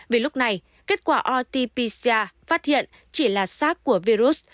vì lúc này kết quả rt pcr phát hiện chỉ là sars của virus